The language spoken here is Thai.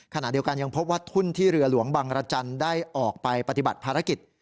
ขณะเดียวกันยังพบว่าทุ่นที่เรือหลวงบังรจันทร์ได้ออกไปปฏิบัติภารกิจ